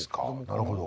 なるほど。